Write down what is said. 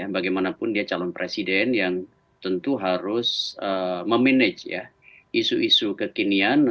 bagaimanapun dia calon presiden yang tentu harus memanage isu isu kekinian